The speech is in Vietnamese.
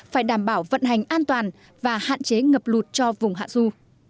phải đảm bảo vận hành an toàn và hạn chế ngập lụt cho vùng hạ du